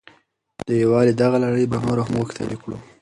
د یووالي دغه لړۍ به نوره هم غښتلې کړو.